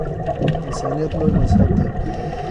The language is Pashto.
انسانیت لوی مذهب دی